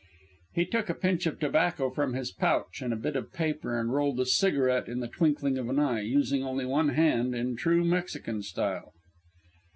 He took a pinch of tobacco from his pouch and a bit of paper and rolled a cigarette in the twinkling of an eye, using only one hand, in true Mexican style.